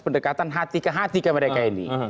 pendekatan hati ke hati ke mereka ini